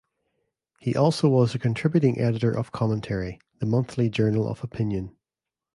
He also was a contributing editor of Commentary, the monthly journal of opinion.